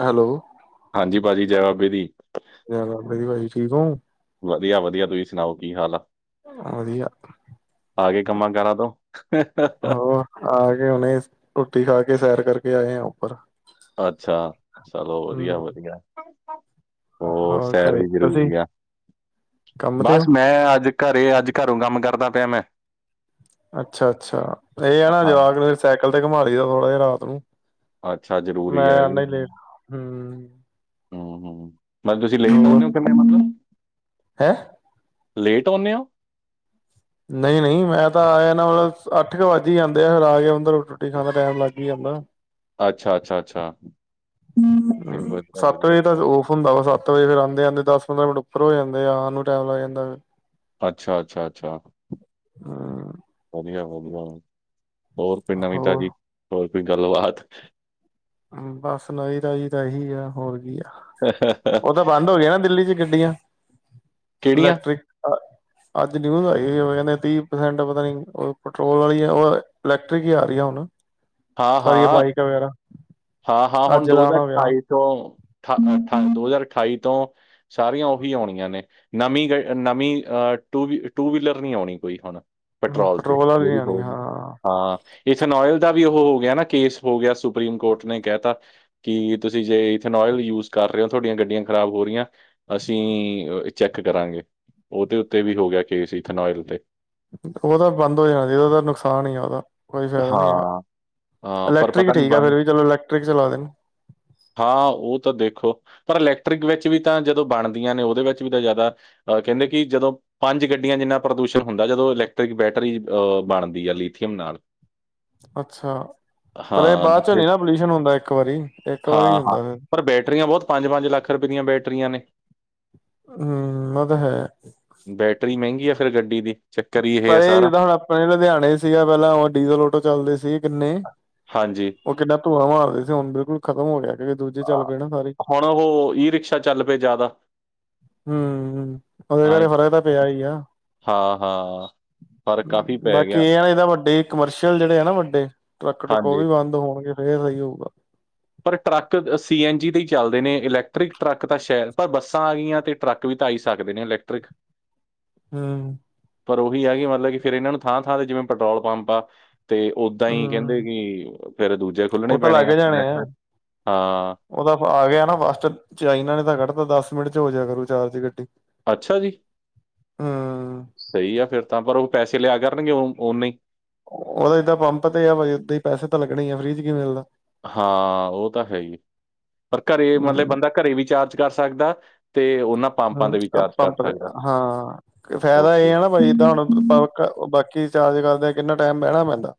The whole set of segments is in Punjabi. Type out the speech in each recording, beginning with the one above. ਹੈਲੋ ਹਾਂਜੀ, ਭਾਜੀ ਜੈ ਬਾਬੇ ਦੀ ਜ ਬਾਬੇ ਦੀ ਭਾਜੀ, ਠੀਕ ਹੋ ਵਧੀਆ ਵਧੀਆ, ਤੁਸੀਂ ਸੁਣਾਓ ਕੀ ਹਾਲ ਆ? ਵਧੀਆ। ਆਗੇ ਕੰਮਾਂ ਕਾਰਾਂ ਤੋਂ [unintelligible] ਉਹ ਆ ਕੇ ਹੁਨੇ ਰੋਟੀ ਖਾ ਕੇ, ਸੈਰ ਕਰਕੇ ਆਏ ਆ ਉੱਪਰ ਅੱਛਾ, ਚਲੋ ਹੂੰ ਵਧੀਆ ਵਧੀਆ। ਉਹਰ ਹੋਰ ਸੈਰ ਘਰੇ ਵੀ ਤੁਸੀਂ ਜ਼ਰੂਰੀ ਆ, ਕੰਮ ਤੇ ਬਸ ਹੋ ਮੈਂ ਅੱਜ ਘਰੇ ਅੱਜ ਘਰੋਂ ਕੰਮ ਕਰਦਾ ਪਿਆ ਮੈਂ ਅੱਛਾ ਅੱਛਾ, ਇਹ ਆ ਨਾ ਹਾਂ ਜਵਾਕ ਨੇ ਫ ਸਾਈਕਲ ਤੇ ਘੁਮਾ ਲਈ ਦਾ ਥੋੜਾ ਜਹਾ ਰਾਤ ਨੂੰ ਅੱਛਾ ਜ਼ਰੂਰੀ ਮੈਂ ਆ ਆਨਾ ਹੀ ਲੇਟ, ਹਮ ਹਮ ਹਮ ਮ ਤੁਸੀਂ ਲੇਟ [unintelligible] ਹੋਰ ਸਕਦੇ ਹੋ ਕਿਵੇਂ ਮਤਲਬ [unintelligible] ਲੇਟ ਆਉਂਨੇ ਹੋ ਨਹੀਂ ਨਹੀਂ ਮੈਂ ਤਾਂ ਆਆ ਨਾ ਮਤਲਬ ਅੱਠ ਕੁ ਵੱਜ ਹੀ ਜਾਂਦੇ ਆ ਫਿਰ ਆ ਕੇ ਰੋਟੀ ਰੋਟੀ ਖਾਣ ਦਾ ਟਾਈਮ ਲੱਗ ਹੀ ਜਾਂਦਾ ਅੱਛਾ ਅੱਛਾ ਅੱਛਾ, ਹੂੰ ਵਧੀਆ ਸੱਤ ਵਧੀਆ ਵਜੇ ਚ ਤਾਂ ਔਫ ਹੁੰਦਾ ਵਾ ਸਤ ਵਜੇ ਆਉਂਦੇ ਆਂਦੇ ਦਸ ਪੰਦਰਾਂ ਮਿੰਟ ਉੱਪਰ ਜਾਂਦੇ ਆ ਉਹ ਨੂੰ ਟਮ ਲਗ ਜਾਦੇਫਿਰ ਅੱਛਾ ਅੱਛਾ ਅੱਛਾ, ਹੂੰ ਵਧੀਆ ਵਧੀਆ ਹੋਰ ਕੋਈ ਨਵੀਂ ਹੋਰ ਤਾਜ਼ੀ, ਹੋਰ ਕੋਈ ਗੱਲਬਾਤ। ਬਸ ਨਵੀਂ ਤਾਜ਼ੀ ਤਾਂ ਇਹੀ ਆ ਹੋਰ ਕੀ ਆ [unintelligible] ਉਹ ਤਾਂ ਬੰਦ ਹੋ ਗਈਆਂ ਦਿੱਲੀ ਚ ਗੱਡੀਆਂ, ਕਿਹੜੀਆਂ ਇਲੈਕਟ੍ਰਿਕ ਆ ਅੱਜ ਨਿਊਜ਼ ਆਈ ਹੋਈ ਆ ਕਹਿੰਦੇ ਤੀਹ ਪ੍ਰਸੈਂਟ ਪਤਾ ਨੀਂ ਪੈਟਰੋਲ ਵਾਲੀ, ਉਹ ਇਲੈਕਟ੍ਰਿਕ ਹੀ ਆ ਰਹੀ ਆ ਹੁਣ। ਹਾਂ ਸਾਰੀਆਂ ਹਾਂ, ਬਾਈਕ ਵਗੈਰਾ ਹਾਂ ਹਾਂ ਹੁਣ ਅੱਜ ਦੋ ਹਜ਼ਾਰ ਲਾਣਾ ਵਗੈਰਾ ਠਾਈ ਤੋਂ ਠਣ ਠਨ ਦੋ ਹਜ਼ਾਰ ਅਠਾਈ ਤੋਂ ਸਾਰੀਆਂ ਉਹੀ ਆਉਣੀਆਂ ਨੇਂ ਨਵੀਂ ਗ ਨਵੀਂ ਅਹ ਟੂ ਟੂ ਵੀਲਰ ਨ੍ਈਂ ਆਉਣੀ ਕੋਈ ਹੁਣ। ਪੇਟਰੋਲ ਤੇ ਪੈਟਰੋਲ ਵਾਲੀ ਨੀ ਜੇਡੀ ਆਣੀ ਹੋਏਗੀ, ਹਾਂ ਹਾਂ। ਇਥਨੋਇਲ ਦਾ ਵੀ ਉਹ ਹੋ ਗਿਆ ਨਾਂ ਕੇਸ ਹੋ ਗਿਆ, ਸੁਪਰੀਮ ਕੋਰਟ ਨੇ ਕਹਿ ਤਾ ਕਿ ਤੁਸੀਂ ਜੇ ਇਥੇਨੋਇਲ ਯੂਜ ਕਰ ਰਹੇ ਹੋ, ਤੁਹਾਡੀਆਂ ਗੱਡੀਆਂ ਖਰਾਬ ਹੋ ਰਹੀਆਂ। ਅਸੀਂ ਚੈੱਕ ਕਰਾਂਗੇ, ਉਹਦੇ ਉੱਤੇ ਵੀ ਹੋ ਗਿਆ ਕੇਸ ਇਥਨੋਇਲ ਤੇ। ਉਹ ਤਾਂ ਬੰਦ ਹੋ ਜਾਣਾ ਚਾਈਦਾ, ਉਹਦਾ ਨੁਕਸਾਨ ਹੀ ਆ ਉਹਦਾ। ਕੋਈ ਫਾਇਦਾ ਨ੍ਹੀਂ ਹੈਗਾ, ਹਾਂ ਹਾਂ, ਪਰ ਇਲੈਕਟ੍ਰਿਕ ਪਤਾ ਨਹੀਂ ਠੀਕ ਆ ਬੰਦ ਫਿਰ ਵੀ ਚਲੋ ਇਲੈਕਟ੍ਰਿਕ ਚਲਾ ਦੇਨ। ਹਾਂ, ਉਹ ਤਾਂ ਦੇਖੋ ਪਰ ਇਲੈਕਟ੍ਰਿਕ ਵਿੱਚ ਵੀ ਤਾਂ ਜਦੋਂ ਬਣਦੀਆਂ ਨੇਂ ਉਹਦੇ ਵਿੱਚ ਵੀ ਤਾਂ ਜ਼ਿਆਦਾ ਅਹ ਕਹਿੰਦੇ ਕਿ ਜਦੋਂ ਪੰਜ ਗੱਡੀਆਂ ਜਿੰਨਾ ਪ੍ਰਦੂਸ਼ਣ ਹੁੰਦਾ ਜਦੋਂ ਇਲੈਕਟ੍ਰਿਕ ਬੈਟਰੀ ਅਹ ਬਣਦੀ ਆ ਲੀਥੀਅਮ ਨਾਲ। ਅੱਛਾ, ਪਰ ਇਹ ਹਾਂ ਬਾਅਦ ਚੋਂ ਜਿੱਥੇ- ਨੀਂ ਨਾਂ ਪੋਲਿਊਸ਼ਨ ਹੁੰਦਾ ਇੱਕ ਵਾਰੀ ਇੱਕ ਵਾਰੀ ਹਾਂ ਹਾਂ ਹੁੰਦਾ ਫਿਰ ਪਰ ਬੈਟਰੀਆਂ ਬਹੁਤ ਪੰਜ-ਪੰਜ ਲੱਖ ਰੁਪਏ ਦੀਆਂ ਬੈਟਰੀਆਂ ਨੇਂ। ਹਂ ਉਹ ਤਾਂ ਹੈ। ਬੈਟਰੀ ਮਹਿੰਗੀ ਆ ਫੇਰ ਗੱਡੀ ਦੀ। ਚੱਕਰ ਹੀ ਆ ਪਰ ਇਹ ਸਾਰਾ ਜਿਹੜਾ ਹੁਣ ਆਪਣੇ ਲੁਧਿਆਣੇ ਸੀਗਾ ਪਹਿਲਾਂ ਉਹ ਡੀਜ਼ਲ ਆਟੋ ਚੱਲਦੇ ਸੀ ਕਿੰਨੇ ਹਾਂਜੀ ਉਹ ਕਿੱਡਾ ਧੂਆਂ ਮਾਰਦੇ ਸੀ। ਹੁਣ ਬਿਲਕੁਲ ਖਤਮ ਹੋ ਗਿਆ ਕਿਉਕਿ ਦੂਜੇ ਚੱਲ ਪਏ ਨਾ ਸਾਰੇ ਹੁਣ, ਉਹ ਈ ਰਿਕਸ਼ਾ ਚੱਲ ਪਏ ਜ਼ਿਆਦਾ। ਹਂ, ਉਹਦੇ ਹਾਂ ਕਰਕੇ ਫਰਕ ਤਾਂ ਪਿਆ ਹੀ ਆ। ਹਾਂ, ਹਾਂ। ਪਰ ਕਾਫੀ ਪੈ ਬਾਕੀ ਗਿਆ ਇਹ ਨਾਂ ਇਦਾ ਵੱਡੀ ਕਮਰਸ਼ੀਅਲ ਜਿਹੜੇ ਆ ਨਾਂ ਵੱਡੇ ਟਰੱਕ ਟਰੁੱਕ ਹਾਂਜੀ ਉਹ ਵੀ ਬੰਦ ਹੋਣਗੇ ਫੇਰ ਸਹੀ ਹੋਊਗਾ। ਪਰ ਟਰੱਕ ਸੀ ਐਨ ਜੀ ਤੇ ਹੀ ਚੱਲਦੇ ਨੇਂ, ਇਲੈਕਟ੍ਰਿਕ ਟਰੱਕ ਤਾਂ ਸ਼ਹਿਰ ਪਰ ਬੱਸਾਂ ਆ ਗਈਆਂ ਤੇ ਟਰੱਕ ਵੀ ਤਾਂ ਆਈ ਸਕਦੇ ਨੇਂ ਇਲੈਕਟ੍ਰਿਕ। ਹਂ ਪਰ ਉਹੀ ਆ ਕਿ ਮਤਲਬ ਕਿ ਫੇਰ ਇਹਨਾਂ ਨੂੰ ਥਾਂ ਥਾਂ ਤੇ ਜਿਵੇਂ ਪੈਟਰੋਲ ਪੰਪ ਆ ਤੇ ਓਦਾਂ ਹੀ ਕਹਿੰਦੇ ਹੂੰ ਕਿ ਫੇਰ ਦੂਜੇ ਖੁੱਲਣੇ ਉਹ ਤਾਂ ਪੈਣੇ ਆ, ਇਲੇਕਟ੍ਰਿਕ। ਹਾਂ। ਉਦਾ ਫ ਆ ਗਿਆ ਨਾਂ [unintelligible] ਚਾਈਨਾਂ ਨੇ ਤਾਂ ਕੱਢ ਤਾਂ ਦਸ ਮਿੰਟ ਚ ਹੋ ਜਿਆ ਕਰੂ ਚਾਰਜ ਗੱਡੀ। ਅੱਛਾ ਜੀ! ਹੂੰ ਸਹੀ ਆ ਫਿਰ ਤਾਂ, ਪਰ ਉਹ ਪੈਸੇ ਲਿਆ ਕਰਨਗੇ, ਓਨੇ ਹੀ ਉਹਦਾ ਏਦਾਂ ਪੰਪ ਤੇ ਆ, ਬ ਓਦਾਂ ਹੀ ਪੈਸੇ ਤਾਂ ਲੱਗਣੇ ਹੀ ਆ। ਫ੍ਰੀ'ਚ ਕੀ ਮਿਲਦਾ। ਹਾਂ ਉਹ ਤਾਂ ਹੈ ਹੀ, ਪਰ, ਘਰੇ ਹੂੰ ਮਤਲਬ ਬੰਦਾ, ਘਰੇ ਵੀ ਚਾਰਜ ਕਰ ਸਕਦਾ। ਤੇ, ਉਹਨਾਂ ਪੰਪਾਂ ਤੇ ਵੀ ਹਂ, ਚਾਰਜ ਕਰ ਪੰਪ ਦੇ ਸਕਦਾ ਹਾਂ ਫੈਦਾ ਏ ਓਕੇ ਨਾਂ ਬਈ ਜਿਦਾਂ ਹੁਣ ੳ ਕ ਬਾਕੀ ਚਾਰਜ ਕਰਦੇ ਕਿੰਨਾ ਟਾਈਮ ਬਹਿਣਾ ਪੈਂਦਾ।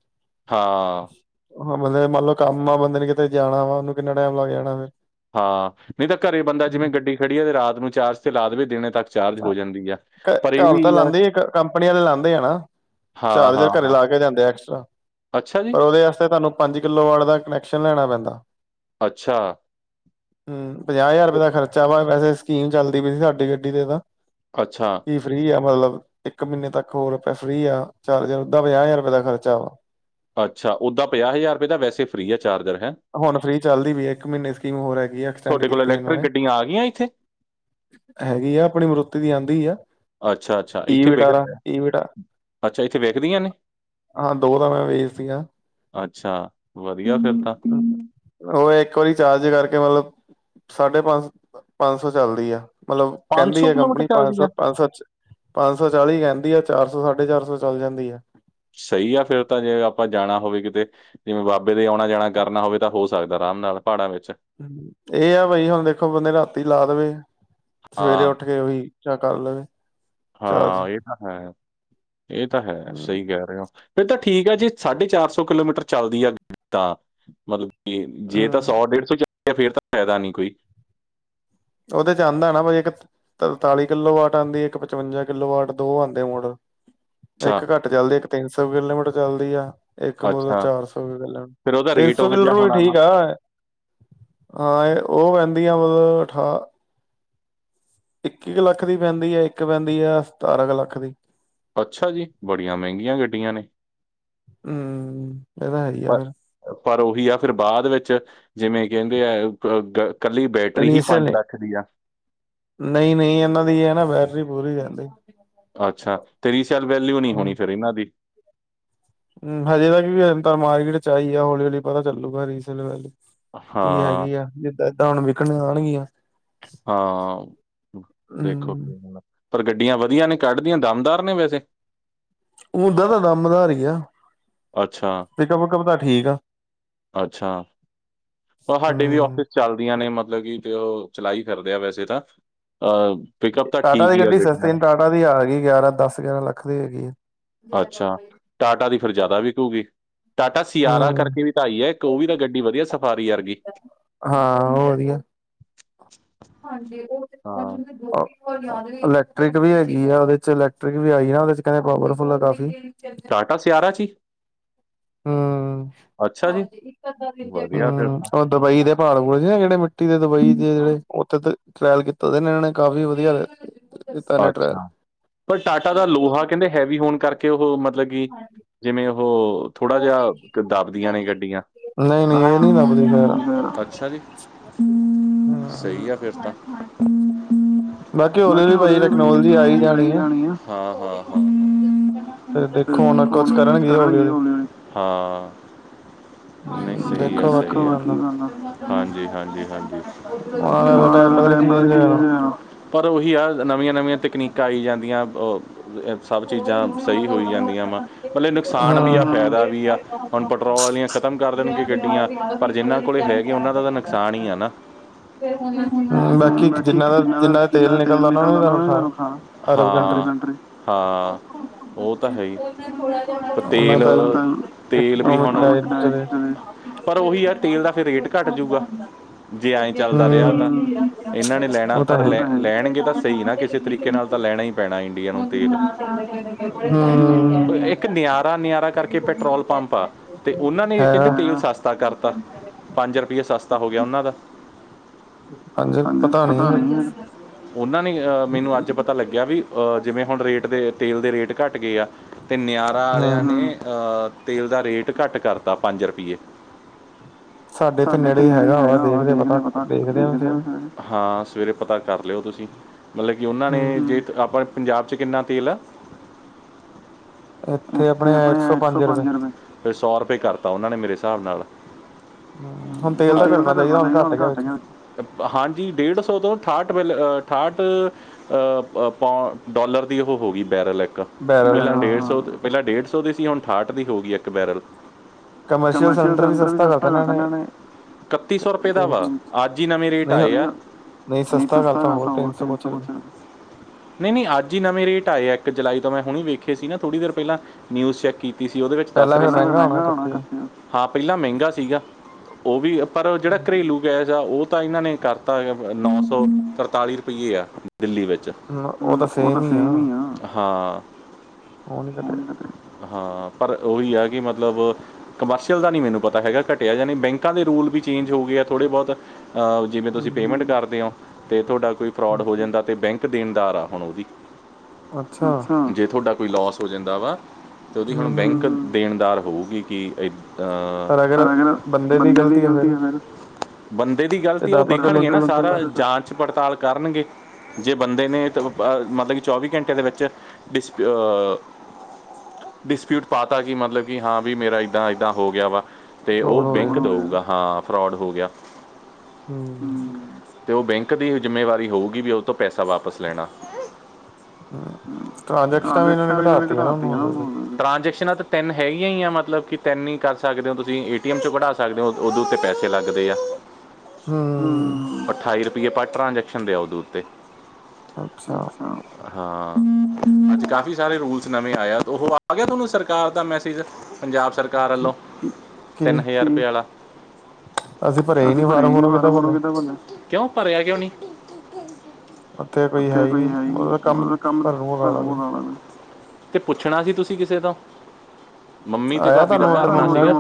ਹਾਂ ਹ ਬੰਦੇ ਮੰਨ ਲਓ ਕੰਮ ਆ ਬੰਦੇ ਨੇਂ ਕਿਤੇ ਜਾਣਾ ਵਾ, ਉਹਨੂੰ ਕਿੰਨਾ ਟਾਈਮ ਲੱਗ ਜਾਣਾ ਫਿਰ ਹਾਂ, ਨ੍ਹੀਂ ਤਾਂ ਘਰੇ ਬੰਦਾ ਜਿਵੇਂ ਹੂੰ। ਗੱਡੀ ਖੜੀ ਐ ਤੇ ਰਾਤ ਨੂੰ ਚਾਰਜ ਤੇ ਲਾ ਦੇਵੇ ਦਿਨੇਂ ਤੱਕ ਚਾਰਜ ਹੋ [unintelligible] ਜਾਂਦੀ ਆ। ਪਰ ਇਹ ਘਰ ਵੀ ਤਾਂ ਆ ਲਾਂਦੇ ਈ ਕੰਪਨੀ ਆਲੇ ਲਾਂਦੇ ਆ ਨਾਂ। ਹਾਂ, ਹਾਂ, ਚਾਰਜਰ ਘਰੇ ਹਾਂ। ਲਾ ਕੇ ਜਾਂਦੇ ਆ ਐਕਸਟਰਾ, ਅੱਛਾ ਜੀ! ਪਰ ਉਹਦੇ ਵਾਸਤੇ ਤੁਹਾਨੂੰ ਪੰਜ ਕਿੱਲੋ ਵਾਲੇ ਦਾ ਕਨੈਕਸ਼ਨ ਲੈਣਾ ਪੈਂਦਾ। ਅੱਛਾ ਹਂ, ਪੰਜਾਹ ਹਜ਼ਾਰ ਰੁਪਏ ਦਾ ਖਰਚਾ ਵਾ ਵੈਸੇ ਸਕੀਮ ਚੱਲਦੀ ਪਈ ਸੀ। ਸਾਡੀ ਗੱਡੀ ਤੇ ਤਾਂ। ਅੱਛਾ। ਫ੍ਰੀ ਆ, ਮਤਲਬ। ਇੱਕ ਮਹੀਨੇ ਤੱਕ ਹੋਰ ਰ ਫ੍ਰੀ ਆ, ਚਾਰ- ਹਜਾਰ, ਉਦਾ ਪੰਜਾਹ-ਹਜ਼ਾਰ ਰੁਪਏ ਦਾ ਖਰਚਾ ਵਾ। ਅੱਛਾ, ਉੱਦਾਂ ਪੰਜਾਹ-ਹਜ਼ਾਰ ਰੁਪਏ ਦਾ, ਵੈਸੇ ਫ੍ਰੀ ਆ, ਚਾਰਜਰ ਹੈਂ। ਹੁਣ ਫ੍ਰੀ ਚੱਲਦੀ ਪਈ ਆ, ਇੱਕ ਮਹੀਨੇ ਸਕੀਮ ਹੋਰ ਹੈਗੀ ਹੈ। ਸੇਂਡ ਤੁਹਾਡੇ ਕੋਲ ਕੀਤੀ ਇਹਨਾਂ ਇਲੈਕਟ੍ਰਿਕ ਨੇ, ਗੱਡੀਆਂ ਆ ਗਈਆਂ ਇੱਥੇ? ਹੈਗੀ ਆ। ਆਪਣੀ ਮਰੁਤੀ ਦੀ ਆਂਦੀ ਆ, ਅੱਛਾ, ਅੱਛਾ ਈ ਇੱਥੇ ਵਟਾਰਾ, ਈ ਵਟ ਦੀਆਂ ਨੇ। ਹਾਂ, ਦੋ ਤਾਂ ਮੈਂ, ਵੇਚਤੀਆ ਅੱਛਾ, ਵਧੀਆ ਫਿਰ ਤਾ। ਉਹ ਇੱਕ ਵਾਰੀ ਚਾਰਜ ਕਰਕੇ, ਮਤਲਬ ਸਾਢੇ ਪੰਜ, ਪੰਜ-ਸੌ ਚੱਲਦੀ ਆ। ਮਤਲਬ ਕਹਿੰਦੀ ਹੈ ਕਿਲੋਮੀਟਰ ਕੰਪਨੀ, ਚੱਲਦੀ ਆ? ਪੰਜ-ਸੱਤ, ਪੰਜ, ਸੱ ਪੰਜਸੌ ਚਾਲੀ ਕਹਿੰਦੀ ਆ। ਚਾਰ ਸੌ, ਸਾਢੇ ਚਾਰ ਸੌ, ਚੱਲ ਜਾਂਦੀ ਆ। ਸਹੀ ਆ ਫਿਰ ਤਾਂ ਜੇ ਆਪਾਂ ਜਾਣਾ ਹੋਵੇ ਕਿਤੇ, ਜਿਵੇਂ ਬਾਬੇ ਦੇ ਆਉਣਾ ਜਾਣਾ ਕਰਨਾ ਹੋਵੇ ਤਾਂ, ਹੋ ਆਰਾਮ ਨਾਲ, ਪਹਾੜਾਂ ਵਿੱਚ ਇਹ ਆ ਬਾਈ ਹੁਣ ਦੇਖੋ, ਬੰਦੇ ਰਾਤੀ ਲਾ ਦੇਵੇ, ਸਵੇਰੇ ਹਾਂ, ਉੱਠ ਕੇ, ਵਈ, ਜਾਂ ਕੱਲ ਹਾਂ। ਇਹ ਤਾਂ ਹੈ, ਇਹ ਤਾਂ ਹੈ, ਹਮ ਸਹੀ ਕਹਿ ਰਹੇ ਹੋ। ਫਿਰ ਤਾਂ ਠੀਕ ਆ ਜੇ, ਸਾਢੇ ਚਾਰਸੌ, ਕਿਲੋਮੀਟਰ ਚੱਲਦੀ ਆ। ਤਾਂ, ਮਤਲਬ ਜੇ ਤਾਂ, ਸੌ-ਡੇਢ ਸੌ, ਚੱਲ ਗਿਆ ਫੇਰ ਤਾਂ ਫਾਇਦਾ ਨੀ ਕੋਈ। ਉਹਦੇ'ਚ ਆਂਦਾ ਨਾ ਤਰਤਾਲੀ ਕਿੱਲੋ ਵਾਟ ਆਂਦੀ, ਇੱਕ ਪਚਵੰਜਾ ਕਿੱਲੋ ਵਾਟ, ਦੋ ਆਉਂਦੇ ਮੌੜਲ। ਅੱਛਾ ਇੱਕ ਘੱਟ ਚੱਲਦੀ। ਇੱਕ ਤਿੰਨਸੌ ਕਿਲੋਮੀਟਰ ਚੱਲਦੀ ਆ, ਇੱਕ ਮਤਲਬ ਅੱਛਾ ਚਾਰ ਸੌ ਕਿਲੋਮੀਟਰ। ਫਿਰ ਉਹਦਾ ਤਿੰਨ ਰੇਟ ਸੌ ਉਹ ਕਿੱਲੋਟਰ ਜਿਹਾ ਵੀ, ਹੋਣਾ ਠੀਕ ਵਾ ਆ। ਹਾਂ, ਇਹ, ਉਹ ਪੈਂਦੀਆਂ ਮਤਲਬ ਅਠਾਹ ਇੱਕ, ਇੱਕ ਲੱਖ ਦੀ ਪੈਂਦੀ ਹੈ, ਇੱਕ ਪੈਂਦੀ ਹੈ, ਸਤਾਰਾਂ ਕੁ ਲੱਖ ਦੀ। ਅੱਛਾ ਜੀ! ਬੜੀਆਂ ਮਹਿੰਗੀਆਂ ਗੱਡੀਆਂ ਨੇ। ਹਮ ਇਹ ਤਾਂ ਹੈ ਹੀ ਆ ਫਿਰ ਪਰ ਪਰ ਉਹੀ ਆ ਫਿਰ ਬਾਅਦ ਵਿੱਚ, ਜਿਵੇਂ ਕਹਿੰਦੇ ਆ, ਅ ਕੱਲੀ ਬੈਟਰੀ ਹੀ [unintelligible] ਲੱਖ ਦੀ ਆ ਨਹੀਂ-ਨਹੀਂ, ਇਹਨਾਂ ਦੀ ਐ ਨਾ, ਬੈਟਰੀ ਪੂਰੀ ਰਹਿੰਦੀ। ਅੱਛਾ, ਤੇਰੀਸੈਲ ਵੈਲਿਊ ਨਹੀਂ ਹੋਣੀ ਫਿਰ ਇਹਨਾਂ ਦੀ। ਹੂੰ, ਹਜੇ ਤੱਕ ਵੀ ਅਜ ਤ ਮਾਰਕੀਟ'ਚ ਆਈ ਆ, ਹੌਲੀ- ਹੌਲੀ ਪਤਾ ਚੱਲੂਗਾ ਰੀਸੇਲ ਹਾਂ ਕੀ ਹੈਗੀ ਆ, ਜਿੱਦਾਂ, ਏਦਾਂ ਹੁਣ ਵਿਕਣ ਆਣਗੀਆਂ। ਹਾ, ਦੇਖੋ, ਹਮ ਕੀ ਪਰ ਗੱਡੀਆਂ ਵਧੀਆ ਨੇ? ਕੱਢਦੀਆਂ ਦਮਦਾਰ ਨੇ ਵੈਸੇ। ਉਦਾ ਤਾਂ ਦਮਦਾਰ ਹੀ ਆ। ਅੱਛਾ ਤੇ ਪੀਕਪ-ਕੁਪ ਤਾਂ ਠੀਕ ਆ। ਹਾਡੇ ਵੀ ਹਮ ਆਫਿਸ ਚੱਲਦੀਆਂ ਨੇ ਮਤਲਬ ਕਿ ਤੇ, ਉਹ ਚਲਾਈ ਫਿਰਦੇ ਆ, ਵੈਸੇ ਤਾ ਟਾਟਾ ਦੀ ਗੱਡੀ ਸਸਤੀ ਟਾਟਾ ਦੀ ਆ, ਗਈ ਗਿਆਰਾਂ ਦਸ, ਗਿਆਰਾਂ ਲੱਖ ਦੀ ਹੈਗੀ ਆ। ਅੱਛਾ ਟਾਟਾ ਦੀ ਫਿਰ ਜ਼ਿਆਦਾ ਵੀ ਕੂਗੀ ਟਾਟਾ ਸਿਆਰਾਂ ਹਮ ਕਰਕੇ ਵੀ ਤਾਂ ਆਈ ਹੈ ਇੱਕ ਉਹ ਵੀ ਤਾਂ ਗੱਡੀ ਵਧੀਆ ਸ [inaudible] ਹਾਂ ਉਹ ਵਧੀਆ ਹਾਂਜੀ, ਉਹ ਹਾਂ ਦੋ ਅ, ਯਾਦ [unintelligible] ਕ੍ਰਿਕ ਵੀ ਹੈਗੀ ਆ। ਉਹਦੇ'ਚ ਇਲੈਕਟ੍ਰਿਕ ਵੀ ਆਈ ਨਾ, ਉਹਦੇ 'ਚ ਕਹਿੰਦੇ ਪਾਵਰਫੁਲ ਆ ਕਾਫੀ ਦੱਸ, ਇਆਰਾ 'ਚ ਹੀ ਹੂੰ, ਅੱਛਾ ਜੀ ਵਧੀਆ ਫਿਰ ਤਾਂ ਹੂੰ ਦੁਬਈ ਦੇ ਪਹਾੜ, ਪੁਹੁੜ, ਦੇ ਨਾ ਜਿਹੜੇ ਮਿੱਟੀ ਦੇ ਦੁਬਈ ਦੇ, ਜਿਹੜੇ ਉੱਥੇ ਤੇ ਟਰੈਲ ਕੀਤਾ ਸੀ, ਨਿਆਣੇ ਨੇ ਕਾਫੀ ਵਧੀਆ ਨੇ ਟਰਾਇਲ ਅੱਛਾ, ਪਰ ਟਾਟਾ ਦਾ ਲੋਹਾ ਕਹਿੰਦੇ ਹੈਵੀ ਹੋਣ ਕਰਕੇ ਉਹ, ਮਤਲਬ ਕਿ, ਜਿਵੇਂ ਉਹ ਥੋੜਾ ਜਿਹਾ ਦੱਬਦੀਆਂ ਨੇ ਗੱਡੀਆਂ, ਨਹੀਂ ਨਹੀਂ ਇਹ ਨੀ ਲੱਭਦੀ ਖੈਰ ਅੱਛਾ ਜੀ। ਹਮ ਸਹੀ ਆ ਫਿਰ ਤਾਂ ਹੌਲੀ ਬਾਕੀ ਹੌਲੀ ਭਾਜੀ ਟੈਕਨੋਲੋਜੀ ਆ ਹੀ ਆਈ ਜਾਣੀ ਆ ਫਿਰ ਦੇਖੋ ਕੁਛ ਹੁਣ ਕਰਨਗੇ ਹੌਲੀ ਹੌਲੀ ਕਰਨਗੇ ਆ ਨਹੀਂ ਸਹੀ ਆ, ਦੇਖੋ ਵਾ ਕੀ ਬਣਦਾ। ਹਾਂਜੀ ਹਾਂਜੀ ਹਾਂਜੀ ਆਉਣ ਵਾਲਾ ਟਾਈਮ ਪਤਾ ਨੀ ਪਰ ਉਹੀ ਆ, ਨਵੀਆਂ ਨਵੀਆਂ ਤਕਨੀਕਾਂ ਆਈ ਜਾਂਦੀਆਂ, ਸਭ ਚੀਜ਼ਾਂ ਸਹੀ ਹੋਈ ਜਾਂਦੀਆਂ ਵਾ, ਪਲੈ ਨੁਕਸਾਨ ਵੀ ਆ ਫਾਇਦਾ ਵੀ ਆ ਹੁਣ ਪੈਟਰੋਲ ਵਾਲੀਆਂ ਖ਼ਤਮ ਕਰ ਦੇਣਗੇ ਗੱਡੀਆਂ। ਪਰ ਜਿਨਾਂ ਕੋਲ ਹੈਗੇ ਉਹਨਾਂ ਦਾ ਤਾਂ ਨੁਕਸਾਨ ਹੀ ਆ ਨਾ। ਹਮ ਬਾਕੀ ਜਿੰਨਾ ਦਾ ਜਿੰਨਾ ਦਾ ਤੇਲ ਨੇ ਅੱਜ ਕਲ ਤਾਂ ਉਹਨਾਂ ਨੇ ਹੀ ਤੁਹਾਨੂੰ ਖਾਣਾ, ਅਰਬ ਕੰਟਰੀ ਹਾਂ ਹਾਂ ਉਹ ਤਾਂ ਹੈ ਹੀ ਉਹਨਾਂ ਤੇਲ ਦਾ ਤੇਲ ਵੀ ਇਕਨੋਮਿਕ ਹੁਣ ਡਾਇਟ ਚਲੇ ਪਰ ਉਹੀ ਹੈ ਤੇਲ ਦਾ ਫਿਰ ਰੇਟ ਘੱਟ ਜਊਗਾ। ਜੇ ਐਏ ਚੱਲਦਾ ਰਿਹਾ ਹੂੰ ਤਾਂ ਇਹਨਾਂ ਨੇ ਲੈਣਾ ਉਹ ਤਾਂ ਪਰ ਹੈ। ਲੈ ਲੈਣਗੇ, ਸਹੀ ਨਾ ਕਿਸੇ ਤਰੀਕੇ ਨਾਲ ਤਾਂ ਲੈਣਾ ਹੀ ਪੈਣਾ ਇੰਡੀਆ ਨੂੰ ਤੇਲ, ਹਉ ਸੀ ਇੱਕ ਨਿਆਰਾ ਨਿਆਰਾ ਕਰਕੇ ਕਿਹੜੀ ਪੈਟਰੋਲ ਪੰਪ ਆ, ਤੇ ਉਹਨਾਂ ਨੇ ਕਹਿੰਦੇ ਹੈਗਾ ਤੇਲ ਸਸ ਤਾ ਕਰਤਾ, ਪੰਜ ਰੁਪਈਏ ਸਸਤਾ ਹੋ ਗਿਆ ਉਹਨਾਂ ਦਾ ਹਾਂਜੀ ਪਤਾ ਨਹੀ। ਉਹਨਾਂ ਨੇ ਅਹ ਮੈਨੂੰ ਅੱਜ ਤਾ ਲੱਗਿਆ ਵੀ ਅਹ ਜਿਵੇਂ ਹੁਣ ਰੇਟ ਦੇ ਤੇਲ ਦੇ ਰੇਟ ਘੱਟ ਗਏ ਆ ਤੇ ਨਿਆਰ ਪੱਪਾ ਵਾਲਿਆਂ ਹੂੰ ਨੇ ਅਹ ਤੇਲ ਦਾ ਰੇਟ ਘੱਟ ਕਰਤਾ ਪੰਜ ਰੁਪਏ। ਸਾਡੇ ਤੇ ਨੇੜੇ ਹੀ ਹੈਗਾ ਵਾ ਦੇਖਦੇ ਪਤਾ ਦੇਖਦੇ ਆ ਫਿਰ ਹਾਂ ਸਵੇਰੇ ਪਤਾ ਕਰ ਲਿਓ ਤੁਸੀਂ ਮਤਲਬ ਕਿ ਉਹਨਾਂ ਨੇ ਹੂੰ ਜੇ ਅਤੇ ਆਪਾਂ ਪੰਜਾਬ 'ਚ ਕਿੰਨਾ ਤੇਲ ਆ ਇੱਥੇ ਆਪਣੇ ਇੱਕ ਸੌ ਪੰਜ ਰੁਪਏ। ਫਿਰ ਸੌ ਰੁਪਏ ਕਰਤਾ ਉਹਨਾਂ ਨੇ ਮੇਰੇ ਹਿਸਾਬ ਨਾਲ। ਹੁਣ ਤੇਲ ਤਾਂ ਘਟਨਾ ਚਾਹੀਦਾ, ਹੁਣ ਘੱਟ ਗਿਆ। ਹਾਂਜੀ ਡੇਢ ਸੌ ਤੋਂ ਅਠਾਹਠ ਵਲ ਅਠਾਹਠ ਪੌ ਡੋਲਰ ਦੀ ਉਹ ਹੋ ਗਈ ਬੈਰਲ ਇੱਕ। ਬੈਰਲ ਪਹਿਲਾਂ ਡੇਢ ਸੌ ਹਾਂ ਪਹਿਲਾਂ ਡੇਢ ਸੌ ਦੀ ਸੀ ਹੁਣ ਅਠਾਹਠ ਦੀ ਹੋ ਗਈ ਇੱਕ ਬੈਰਲ। ਕਮਰਸ਼ੀਅਲ ਸਿਲੰਡਰ ਵੀ ਸਸਤਾ ਕਰਤਾ ਇਹਨਾਂ ਨੇ ਇਕੱਤੀ ਸੋ ਰੁਪਏ ਦਾ ਤਿੰਨ ਵਾ ਅੱਜ ਹੀ ਨਵੇਂ ਰੇਟ ਨਹੀਂ ਆਏ ਆ ਨਹੀਂ ਸਸਤਾ ਕਰਤਾ। ਹੋਰ ਤਿਨਸੌ ਕੁਝ ਰੁਪਏ ਨਹੀਂ ਨਹੀਂ ਅੱਜ ਹੀ ਨਵੇਂ ਰੇਟ ਆਏ ਆ ਇੱਕ ਜੁਲਾਈ ਤੋਂ ਮੈਂ ਹੁਣ ਵੇਖੇ ਸੀ ਨਾ ਥੋੜ੍ਹੀ ਦੇਰ ਪਹਿਲਾਂ ਨਿਊਜ਼ ਚੈੱਕ ਕੀਤੀ। ਤੁਸੀ ਉਹਦੇ ਵਿੱਚ ਦੱਸ ਪਹਿਲਾਂ ਰਹੇ ਫਿਰ ਹਾਂ, ਪਹਿਲਾ ਮਹਿੰਗਾ ਹੋਣਾ ਕੱਟਿਆ ਏਕਤੀ ਸੌ, ਹਾਂ ਪਹਿਲਾਂ ਮਹਿੰਗਾ ਸੀਗਾ। ਉਹ ਵੀ ਪਰ ਜਿਹੜਾ ਘਰੇਲੂ ਗੈਸ ਆ ਉਹ ਤਾਂ ਇਹਨਾਂ ਨੇ ਕਰਤਾ ਨੌਸੌ ਤਰਤਾਲੀ ਰੁਪਈਏ ਆ ਦਿੱਲੀ ਵਿੱਚ ਹਮ ਉਹ ਤਾਂ ਸੇਮ ਹੀ ਆ, ਹਾ ਉਹ ਨੀ ਘਟਿਆ ਹਾਂ ਪਰ ਉਹੀ ਹੈ ਕਿ ਮਤਲਬ ਕਮਰਸ਼ੀਅਲ ਦਾ ਨਹੀਂ ਮੈਨੂੰ ਪਤਾ ਹੈਗਾ ਘਟਿਆ ਜਾ ਨਹੀ, ਬੈਂਕਾਂ ਦੇ ਰੂਲ ਵੀ ਚੇਂਜ ਹੋ ਗਏ ਆ ਥੋੜ੍ਹੇ ਬਹੁਤ ਜਿਵੇਂ ਤੁਸੀਂ ਪੇਮੈਂਟ ਕਰਦੇ ਹੋ ਅਤੇ ਤੁਹਾਡਾ ਕੋਈ ਫਰੋਡ ਹੋ ਜਾਂਦਾ ਅਤੇ ਬੈਂਕ ਦੇਣਦਾਰ ਆ ਹੁਣ ਉਹਦੀ ਅੱਛਾ, ਜੇ ਤੁਹਾਡਾ ਕੋਈ ਲੋਸ ਹੋ ਜਾਂਦਾ ਵਾ ਤੇ ਉਹਦੀ ਹੁਣ ਹੂੰ ਬੈਂਕ ਹੂੰ ਦੇਣਦਾਰ ਹੋਊਗੀ ਕਿ ਇ ਪਰ ਅਗਰ ਬੰਦੇ ਦੀ ਗ਼ਲਤੀ ਆ ਫਿਰ? ਬੰਦੇ ਦੀ ਗ਼ਲਤੀ ਆ ਜਿੱਦਾਂ ਉਹ ਆਪਾਂ ਕੋਈ ਦੇਖਣਗੇ ਲਿੰਕ ਨਾ ਲੁੰਕ ਸਾਰਾ ਕਰ ਜਾਂਚ ਪੜਤਾਲ ਕਰਨਗੇ। ਜੇ ਬੰਦੇ ਨੇ ਤਾਂ ਮਤਲਬ ਕਿ ਚੌਵੀ ਘੰਟੇ ਦੇ ਵਿੱਚ ਡਿਸਪ ਡਿਸਪਿਊਟ ਪਾ ਤਾ ਕਿ ਮਤਲਬ ਕਿ ਹਾਂ ਵੀ ਮੇਰਾ ਏਦਾਂ ਏਦਾਂ ਹੋ ਗਿਆ ਵਾ ਅਤੇ ਉਹ ਫਰੋਡ ਹੋ ਗਿਆ ਬੈਂਕ ਦਊਗਾ ਹਾਂ ਫਰੋਡ ਹੋ ਗਿਆ। ਹੂੰ ਅਤੇ ਉਹ ਬੈਂਕ ਦੀ ਜ਼ਿੰਮੇਵਾਰੀ ਹੋਊਗੀ ਵੀ ਉਹ ਤੋਂ ਪੈਸਾ ਵਾਪਸ ਲੈਣਾ। ਹੂੰ ਟ੍ਰਾਂਜੈਕਸ਼ਨਾਂ ਵੀ ਟਰਾਜੈਕਸ਼ਨਾ ਤੇ ਇਹਨਾਂ ਨੇ ਘਟਾਤੀਆਂ ਨਾ ਘਟਾਤਿਆ ਹੂੰ ਹੁਣ, ਟਰਾਜੈਕਸ਼ਨਾ ਤੇ ਤਿੰਨ ਹੈਗੀਆਂ ਹੀ ਆ ਮਤਲਬ ਕਿ ਤਿੰਨ ਹੀ ਕਰ ਸਕਦੇ ਹੋ ਤੁਸੀਂ ਏਟੀਐਮ ਚ ਕਢਾ ਸਕਦੇ ਹੋ, ਉਦੋਂ ਤੇ ਪੈਸੇ ਲੱਗਦੇ ਆ। [unintelligible] ਹਉ ਅਠਾਈ ਰੁਪਈਏ ਪਰ ਟ੍ਰਾਂਜੈਕਸ਼ਨ ਦੇ ਆ ਉਦੈ ਉਤੇ ਅੱਛਾ, ਹਾਂ। ਕਾਫੀ ਸਾਰੇ ਰੂਲਸ ਨਵੇਂ ਆਏ ਐ, ਤੇ ਓਹ ਆ ਗਿਆ ਥੋਨੂੰ ਸਰਕਾਰ ਦਾ ਮੈਸੇਜ ਪੰਜਾਬ ਸਰ ਕੀ ਕਾਰੱਲੋਂ ਤਿੰਨ ਕੀ ਹਜ਼ਾਰ ਰੁਪਏ ਆਲਾ। ਭਰੇ ਹੀ ਅਸੀਂ ਭਰਿਆ ਈ ਫਾਰਮ ਨੀ ਫੁਰਮ ਫਾਰਮ-ਫੂਰਮ ਭਰਨੇ ਕਿੱਦਾਂ ਭਰਣੈ। ਕਿਓਂ ਭਰਿਆ ਕਿਓਂ ਨੀ? ਉੱਥੇ ਔਥੇ ਹੀ ਕੋਈ ਹੈ ਈ ਨੀ ਉਹਦਾ ਮੈਕੇ ਕੰਮ ਭਰਨ ਭੁਰਨ ਵਾਲਾ ਭਰਲੂਗਾ ਕੋਈ ਲਾਲੇ ਬਿਲ ਤੇ ਪੁੱਛਣਾ ਸੀ ਤੁਸੀਂ ਕਿਸੇ ਤੋਂ, ਮੰਮੀ ਤੇ ਆਇਆ ਭਾਬੀ ਦਾ ਤੁਹਾਨੂੰ ਉੱਧਰ ਭਰਨਾ ਮੰਮੀ ਨਾਲ ਸੀਗਾ। ਕੇ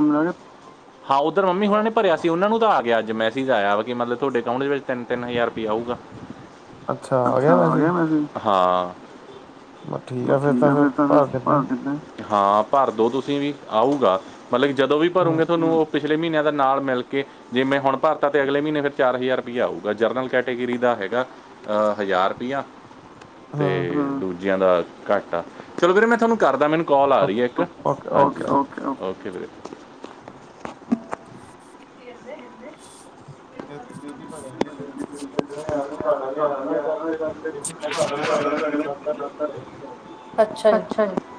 ਹਾਂ, ਔਧਰ ਮੰਮੀ ਹੋਰਾ ਨੇ ਭਰਿਆ ਸੀ, ਔਨਾਂ ਨੂੰ ਤਾਂ ਆ ਗਿਆ ਅੱਜ ਮੈਸਿਜ ਆਇਆ ਵਾ ਕਿ ਮਤਲਬ ਤੁਹਾਡੇ ਅਕਾਊਂਟ ਵਿੱਚ ਤਿੰਨ ਤਿੰਨ ਹਜ਼ਾਰ ਪੇ ਆਊਗਾ। ਆ ਅੱਛਾ ਗਿਆ ਆਗਿਐ ਮੈਸੇਜ ਮੈਸਿਜ? ਹਾਂ। ਬ ਆ ਫਿਰ ਠੀਕ ਐ ਫਿਰ ਫੇਰ ਤਾਂ ਫੇਰ ਦਿੰਦੇ ਭਰ ਦਿੱਤੇ। ਹਾਂ ਭਰ ਦੋ ਤੁਸੀਂ ਵੀ, ਆਊਗਾ। ਮਤਲਬ ਕਿ ਜਦੋਂ ਵੀ ਹੂੰ ਭਰੋਂਗੇ ਤੁਹਾਨੂੰ ਓਹ ਪਿਛਲੇ ਮੀਨੀਆਂ ਦਾ ਨਾਲ ਮਿਲ ਕੇ ਜਿਵੇਂ ਹੁਣ ਭਰਤਾ ਤੇ ਅਗਲੇ ਮੀਨੇ ਫਿਰ ਚਾਰ ਹਜ਼ਾਰ ਰੁਪਇਆ ਆਊਗਾ। ਉਂ ਜਰਨਲ ਕੈਟ ਕੈਟੇਗਰੀ ਦਾ ਹੈਗਾ ਅਹ ਹਜ਼ਾਰ ਰੁਪਇਆ ਹੂੰ ਤੇ ਦੂਜ ਦੇਆ ਦਾ ਘਾਟਾ, ਚਲੋ ਵੀਰੇ ਮੈਂ ਥਾਨੂੰ ਕਰਦਾ ਮੈਨੂੰ ਕਾਲ ਆ ਰਹੀ ਹੈ ਓਕੇ ਇੱਕ ਓਕੇ ਹਾਂਜੀ ਓਕੇ, ਓਕਏ ਵੀਰੇ ਕੀ ਕਹਿੰਦੈ [inaudible] [unintelligible] ਅੱਛਾ ਜੀ